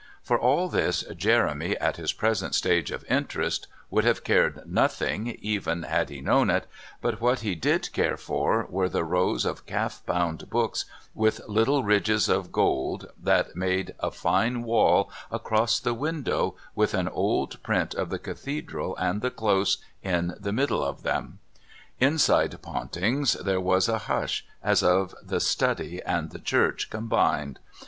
For all this Jeremy, at his present stage of interest, would have cared nothing even had he known it, but what he did care for were the rows of calf bound books with little ridges of gold, that made a fine wall across the window with an old print of the Cathedral and the Close in the middle of them. Inside Pontings there was a hush as of the study and the church combined.